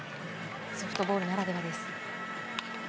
ソフトボールならではです。